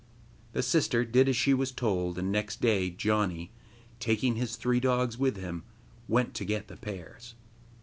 The sister did as she was told, and next day Janni, taking his three dogs with him, went to get the pears.